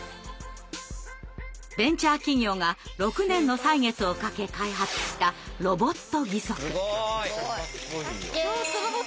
ベンチャー企業が６年の歳月をかけ開発したすごい！